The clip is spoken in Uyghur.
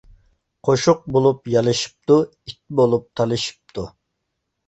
قوشۇق بولۇپ يالىشىپتۇ، ئىت بولۇپ تالىشىپتۇ.